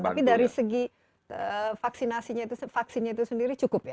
tapi dari segi vaksinasinya itu vaksinnya itu sendiri cukup ya